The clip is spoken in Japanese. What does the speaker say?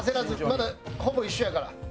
まだほぼ一緒やから。